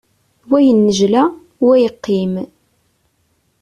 Wa yennejla, wa yeqqim.